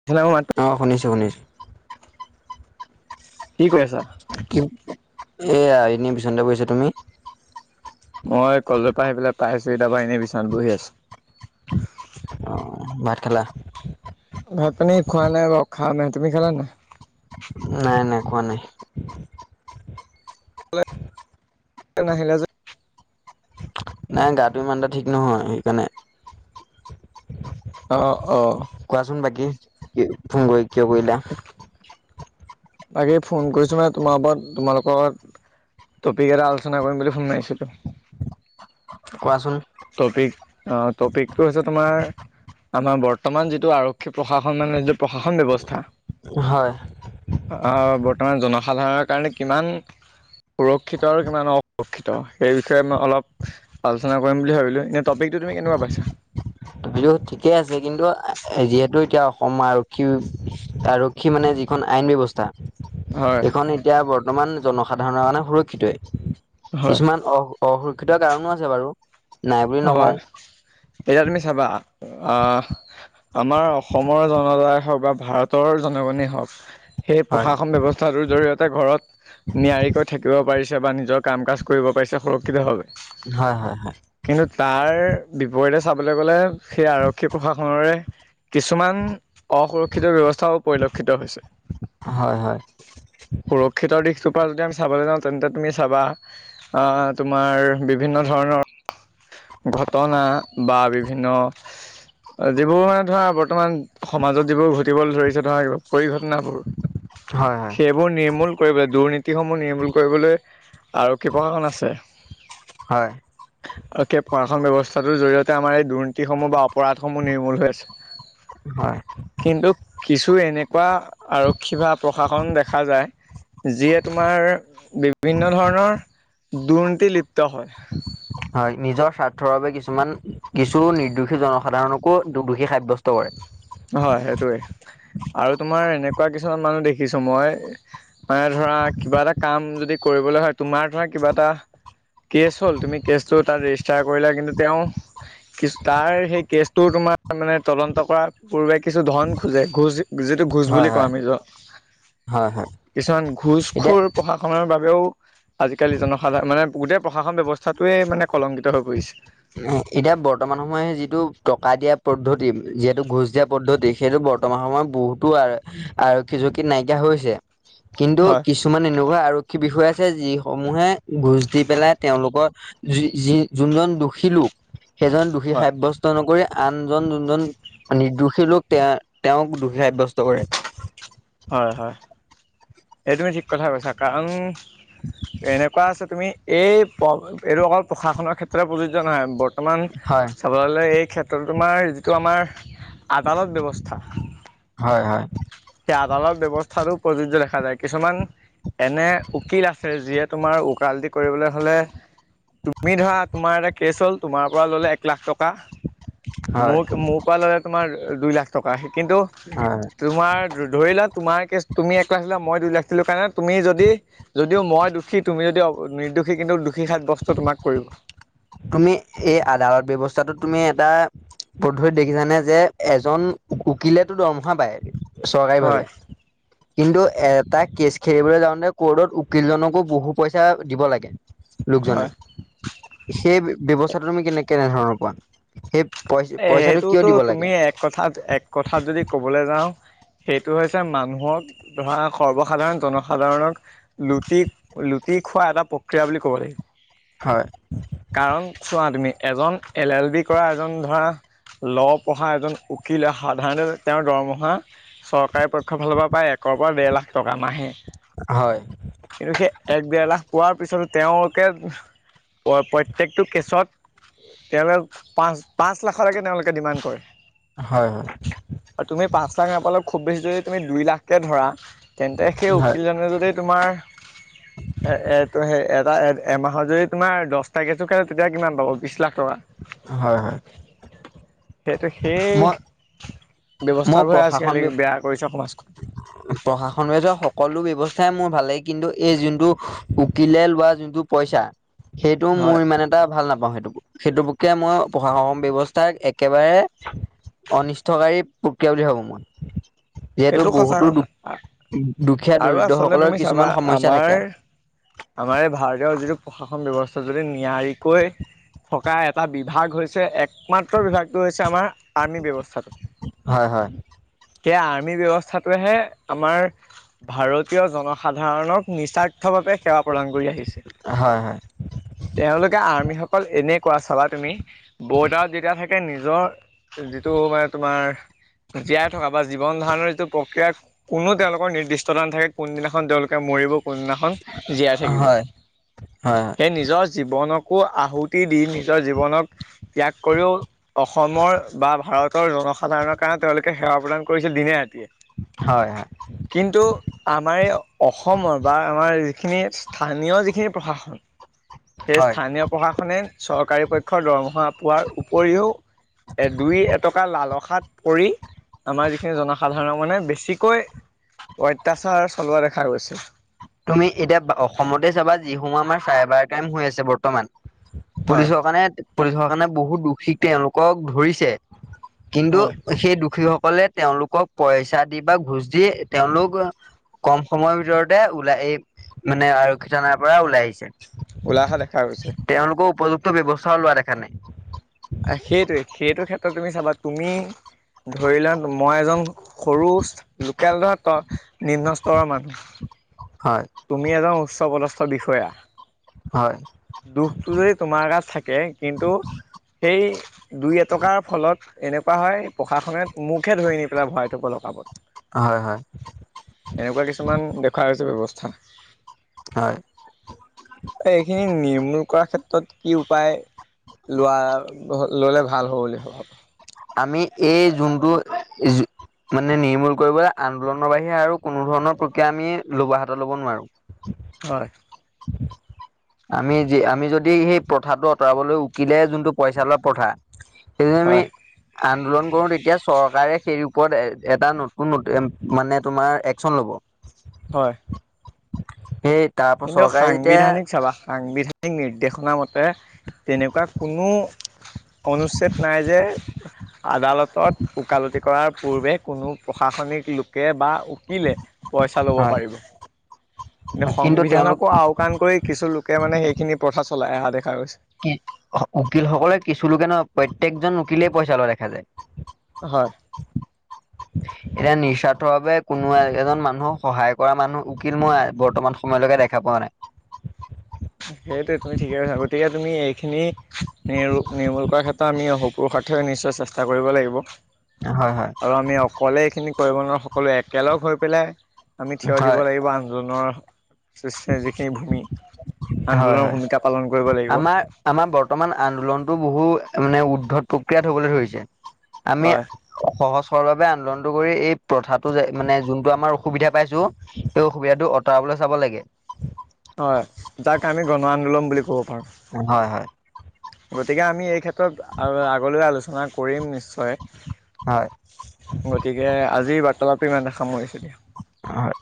[unintelligible] অ' শুনিছো, শুনিছ কি কৈ আছা? এয়া এনে বিচনাতে বহি আছো তুমি? মই কলেজৰ পা আহি পেলাই পাইছোহি তাৰপা এনে বিচনাত বহি আছো। অ' ভাত খালা? ভাত, পানী খোৱা নাই বাৰু খামহে, তুমি খালা নাই? নাই নাই খোৱা নাই। নাহিলে যে। নাই গাটো ইমান এটা ঠিক নহয় হেইকাৰণে। অ', অ'। কোৱাচোন বাকী, কি ফোন কৰি কিয় কৰিলা। বাকী ফোন কৰিছোঁ মানে তোমাৰ ওপৰত তোমালোকৰ, টপিক এটা আলোচনা কৰিম বুলি ফোন মাৰিছিলোঁ। কোৱা চোন। টপিক, আহ টপিকটো হৈছে তোমাৰ আমাৰ বৰ্তমান যিটো আৰক্ষী প্ৰশাসন মানে যিটো প্ৰশাসন ব্যৱস্থা। হয়। বৰ্তমান জনসাধাৰণৰ কাৰণে কিমান সুৰক্ষিত আৰু কিমান অসুৰক্ষিত, সেই বিষয়ে মই অলপ আলোচনা কৰিম বুলি ভাবিলোঁ এনে টপিকটো তুমি কেনেকুৱা পাইছা। টপিকটো ঠিকে কিন্তু যিহেতু এতিয়া অসম আৰক্ষী, বাৰু সি মানে যিখন আইন ব্যৱস্থা হয়, এইখন এতিয়া বৰ্তমান জনসাধাৰণৰ কাৰণে সুৰক্ষিতই, হয়, কিছুমান অ'। অসুৰক্ষিত কাৰণো আছে বাৰু। নাই বুলি নকওঁ হয়, এতিয়া তুমি চাবা আহ। আমাৰ অসমৰ জনতাই হওঁক বা ভাৰতৰ জনগণে হওঁক। সেই হয় প্ৰশাসন ব্যৱস্থাটোৰ জৰিয়তে ঘৰত নিয়াৰিকৈ থাকিব পাৰিছে বা নিজৰ কাম কাজ কৰিব পাৰিছে সুৰক্ষিতভাৱে। হয় হয় হয়। কিন্তু তাৰ বিপৰীতে চাবলে গ'লে সেই আৰক্ষী প্ৰশাসনেৰে কিছুমান অসুৰক্ষিত ব্যৱস্থাও পৰিলক্ষিত হৈছে। হয় হয় সুৰক্ষিতৰ দিশটোৰ পৰা যদি আমি চাবলে যাওঁ তেন্তে তুমি চাবা অ', অ', তোমাৰ বিভিন্ন ধৰণৰ ঘটনা বা বিভিন্ন যিবোৰ মানে ধৰা বৰ্তমান সমাজত যিবোৰ ঘটিবলে ধৰিছে ধৰা পৰিঘটনাবোৰ, হয় সেইবোৰ নিৰ্মূল কৰিবলে, দুৰ্নীতিসমূহ নিৰ্মূল কৰিবলৈ। আৰক্ষী প্ৰশাসন আছে। হয় তাকে প্ৰশাসন ব্যযৱস্থাটোৰ জৰিয়তে আমাৰ এই দুৰ্নীতিসমূহ বা অপৰাধসমূহ নিৰ্মূল হৈ আছে। হয়। কিন্তু কিছু এনেকুৱা আৰক্ষী বা প্ৰশাসন দেখা যায়। যিয়ে তোমাৰ বিভিন্ন ধৰণৰ দুৰ্নীতি লিপ্ত হয়। হয় নিজৰ স্বাৰ্থৰ বাবে কিছুমান, কিছু নিৰ্দোষী জনসাধাৰণকো দোষী সাব্যস্ত কৰে। হয় সেইটোৱে, আৰু তোমাৰ এনেকুৱা কিছুমান মানুহ দেখিছো মই। মনে ধৰা কিবা এটা কাম যদি কৰিবলে হয় তোমাৰ ধৰা কিবা এটা কেছ হ'ল তুমি কেছটো তাত ৰেজিষ্টাৰ কৰিলা কিন্তু তেওঁ কিছু তাৰ সেই কেছটো তোমাৰ মানে তদন্ত কৰাৰ পূৰ্বে কিছু ধন খোজে গুচ। নিজেতো ঘোচ হয় বুলি কয় হয় আমি য হয় হয় কিছুমান এতিয়া ঘোচখুৰ প্ৰশাসনৰ বাবেও আজিকালি জনসাধাৰণ মানে গোটে প্ৰশাসন ব্যৱস্থাটোৱে মানে কলংকিত হৈ পৰিছে। এতিয়া বৰ্তমান সময় যিটো টকা দিয়া পদ্ধতি, যিহেতু ঘোচ দিয়া পদ্ধতি সেইটো বৰ বৰ্তমাৰ সময়ত বহুতো আৰক্ষী চকীত নাইকিয়া হৈছে। কিন্তু হয় কিছুমান এনেকুৱা আৰক্ষী বিষয়া আছে যিসমূহে ঘোঁজ দি পেলাই তেওঁলোকৰ য যি যোনজন দোষী লোক সেইজন দোষী হয় সাব্যস্ত নকৰি আনজন যোনজন নিৰ্দোষী লোক তেওঁ, তেওঁক দোষী সাব্যস্ত কৰে হয়, হয় এই তুমি ঠিক কথা কৈছা কাৰণ এনেকুৱা আছে তুমি এই এইটো অকল প্ৰশাসনৰ ক্ষেত্ৰত প্ৰযোজ্য নহয় বৰ্তমান হয় চাবলৈ গ'লে এই ক্ষেত্ৰত তোমাৰ যিটো আমাৰ আদালত ব্যৱস্থা হয়, হয়। সেই আদালত ব্যৱস্থাটো প্ৰযোজ্য দেখা যায় কিছুমান এনে উকিল আছে যিয়ে তোমাৰ উকালতি কৰিবলৈ হ'লে তুমি ধৰা তোমাৰ এটা কেছ হ'ল তোমাৰ পৰা ললে এক লাখ টকা মোক, হয় মোক মোৰ পা ল'লে তোমাৰ দুই লাখ টকা কিন্তু হয় তোমাৰ ধৰিলা তোমাৰ কেচ তুমি এক লাখ দিলা মই দুই লাখ দিলো কাৰণে তুমি যদি যদিও মই দোষী তুমি যদি নিৰ্দোষী কিন্তু দুষী সাব্যস্ত তোমাক কৰিব। তুমি এই আদালত ব্যৱস্থাটোত তুমি এটা পধুৰত দেখিছানে যে এজন উকিলেতো দৰমহা পাই। চৰকাৰীভাৱে। হয় কিন্তু এটা কেছ খেলিবলৈ যাওঁতে কৰ্টত উকিল জনকো বহু পইচা দিব লাগে। লোকজনে হয় সেই ব্যৱস্থাটো তুমি কেনে কেনেধৰণৰ কোৱা সেই পই এ পইচাটো কিয় সেইটোতো দিব লাগে তুমি এক কথাত, এক কথাত যদি কবলৈ যাওঁ সেইটো হৈছে মানুহক ধৰা সৰ্বসাধাৰণ জনসাধাৰণক লুটি, লুটি খোৱা এটা প্ৰক্ৰিয়া বুলি ক'ব লাগিব। হয়। কাৰণ চোৱা তুমি এজন এল, এল বি কৰা এজন ধৰা ল পঢ়া এজন উকিলে সাধাৰণতে তেওঁৰ দৰমহা চৰকাৰী পক্ষৰ ফালৰ পৰা প্ৰায় একৰ পৰা ডেৰ লাখ টকা মাহেই। হয়। কিন্তু সেই এক দেৰ লাখ পোৱাৰ পিছতো তেওঁলোকে প্ৰ প্ৰত্যেকটো কেছত তেওঁলোক পাঁচ পাঁচ লাখলৈকে তেওঁলোকে ডিমাণ্ড কৰে। হয়, হয়। আৰু তুমি পাঁচ লাখ নাপালেও খুব বেছি যদি তুমি দুই লাখকে ধৰা। তেন্তে সেই উকিলজনে যদি তোমাৰ উ [inaudible] এ এইটো সেই এটা এমাহৰ যদি তোমাৰ দহটা কেচো খেলে তেতিয়া কিমান পাব বিশ লাখ টকা। হয়, হয়। কিন্তু মই সেই মই ব্যৱস্থাবোৰহে আজিকালি বেয়া কৰিছে সমাজখন। [inaudible] প্ৰশাসন লোৱা সকলো ব্য্ৱস্থাই মোৰ ভাল লাগে কিন্তু এই যোনটো উকিলে লোৱা যোনটো পইচা সেইটো হয় মোৰ মানে টা ভাল নাপাওঁ সেইটো, সেইটো প্ৰক্ৰিয়া মই প্ৰশাসন ব্যৱস্থাক একেবাৰে অনিষ্টকাৰী প্ৰক্ৰিয়া বুলি ভাবো মই। যিহেতু সেইটো সঁচা বহুতো কথা দু-দুখীয়া আৰু দৰিদ্ৰ আচলতে সকলৰ তুমি চাবা কিছুমান সমস্যা আমাৰ থাকে। [inaudible] আমাৰ এই ভাৰতৰ যিটো প্ৰশাসন ব্যৱস্থা যদি নিয়াৰিকৈ থকা এটা বিভাগ হৈছে একমাত্ৰ বিভাগটো হৈছে আমাৰ আৰ্মী ব্যৱস্থাটো। হয়-হয়। [unintelligible] ব্যৱস্থাটোহে আমাৰ ভাৰতীয় জনসাধাৰণক নিচা- ৰ্থভাৱে সেৱা প্ৰদান কৰি আহিছে। হয় হয় তেওঁলোকে আৰ্মিসকল এনেকুৱা চাবা তুমি। বৰ্ডাৰত যেতিয়া থাকে নিজৰ যিটো মানে তোমাৰ জীয়াই থকা বা- জীৱন ধাৰণৰ যিটো প্ৰক্ৰিয়া কোনো তেওঁলোকৰ নিৰ্দিষ্টতা নাথাকে কোনদিনাখন তেওঁলোকে মৰিব কোনদিনাখন- জীয়াই থাকিব। হয় হয় সেই নিজৰ- জীৱনকো আহুতি দি নিজৰ জীৱনক- ত্যাগ কৰিও অসমৰ বা ভাৰতৰ জনসাধাৰণৰ কাৰণে তেওঁলোকে সেৱা প্ৰদান- কৰিছিল দিনে-ৰাতিয়ে। হয়-হয়। কিন্তু আমাৰ এই অসমৰ বা আমাৰ যিখিনি স্থানীয় যিখিনি প্ৰশাসন [unintelligible] সেইয স্থানীয় প্ৰশাসনে চৰকাৰী পক্ষৰ দৰমহা পোৱাৰ উপৰিও- দুই এটকা লা'লসাত পৰি- আমাৰ যিখিনি জনসাধাৰণক মানে বেছিকৈ অত্যাচাৰ চলোৱা দেখা গৈছে। তুমি এতিয়া অসমতে চাবা যিসমূহ আমাৰ চাইবাৰ ক্ৰাইম হৈ আছে বৰ্তমান। হয় পুলিচৰ কাৰণে, পুলিচৰ কাৰণে বহুত দোষীক তেওঁলোকক ধৰিছে, কিন্তু- হয় সেই দুষীসকলে তেওঁলোকক পইচা দি বা ঘোচ দি তেওঁলোক- কম সময়ৰ ভিতৰতে ওলাই এই মানে আৰক্ষী থানাৰ পৰা ওলাই আহিছে। ওলাই অহা দেখা গৈছে। তেওঁলোক উপযুক্ত ব্যৱস্থাও লোৱা দেখা নাই। সেইটোৱেই, সেইটো ক্ষেত্ৰত তুমি চাবা তুমি ধৰি লোৱা মই এজন সৰু লোকেল ধৰ নিম্ন স্তৰৰ মানুহ। হয়। তুমি এজন উচ্চ পদস্থ বিষয়া। হয়। দুখটো যদি তোমাৰ গাত থাকে কিন্তু সেই- দুই-এটকাৰ ফলত এনেকুৱা হয় প্ৰশাসনে মুকহে ধৰি নি পেলাই ভৰাই থব লকাপত। হয়-হয়। এনেকুৱা কিছুমান দেখুৱা হৈছে ব্যৱস্থা। হয়। এই এইখিনি নিৰ্মূল কৰাৰ ক্ষেত্ৰত কি উপায়- লোৱা ল'লে ভাল হ'ব বুলি ভাব? আমি এই যোনটো মানে নিৰ্মূল কৰিবলৈ আন্দোলনৰ বাহিৰে আৰু কোনো ধৰণৰ প্ৰক্ৰিয়া আমি লব হাতত ল'ব নোৱাৰো। হয়। [inaudible] আমি যি আমি যদি সেই প্ৰথাটো আঁতৰাবলৈ উকিলে যোনটো পইচা লোৱা প্ৰথা- সেইটো আমি হয় আন্দোলন কৰো তেতিয়া চৰকাৰে সেই ওপৰত এটা নতুন মানে তোমাৰ একচন ল'ব। [unintelligible] হয়। সেই তাৰ পৰা কিন্তু চৰকাৰে যেতিয়া সাংবিধানিক চাবা সাংবিধানিক নিৰ্দেশনা মতে তেনেকুৱা কোনো অনুচ্ছেদ নাই যে আদালতত ওকালতি কৰাৰ পূৰ্বে কোনো প্ৰশাসনিক লোকে বা উকিলে পইচা ল'ব পাৰিব। নে কিন্তু তেওঁলোক সংবিধানকো আওকাণ কৰি কিছু লোকে মানে সেইখিনি প্ৰথা চলাই অহা দেখা গৈছে। কিল উকিলসকলে কিছু লোকে নহয় প্ৰত্যেকজন উকিলেই পইচা লোৱা দেখা যায়। হয়। [unintelligible] এতিয়া নিঃস্বাৰ্থ বাবে কোনো এজন মানুহক সহায় কৰা মানুহৰ উকিল মই বৰ্তমান সময়লৈকে দেখা পোৱা নাই। সেইটো তুমি ঠিকে কৈছা গতিকে তুমি এইখিনি নিমূ নিৰ্মূল কৰাৰ ক্ষেত্ৰত আমি অস পুৰুষাৰ্থে নিশ্চয় চেষ্টা কৰিব লাগিব। হয় হয়। আৰু আমি অকলে এইখিনি কৰিব নোৱাৰো, সকলোৱো একেলগ হৈ পেলাই আমি থিয় দিব হয় লাগিব আন্দোলনৰ য়েছে যিখিনি ভূমি হয় আন্দোলনৰ হয় ভূমিকা পালন কৰিব লাগিব। আমাৰ আমাৰ বৰ্তমান আন্দোলনটো বহু মানে উদ্ধত প্ৰক্ৰিয়াত হ'বলৈ ধৰিছে। আমি হয়। সহজ সৰভাৱ আন্দোলনটো কৰি এই প্ৰথাটো যে মানে যোনটো আমাৰ অসুবিধা পাইছো এই অসুবিধাটো আঁতৰাবলৈ চাব লাগে। হয়। যাক আমি গণ আন্দোলন বুলি ক'ব পাৰো। হয় হয়। গতিকে আমি এই ক্ষেত্ৰত আগলৈ আলোচনা কৰিম নিশ্চয়। হয়। তিকে আজিৰ বাৰ্তালাপি ইমানতে সামৰিছে দিয়া। হয়।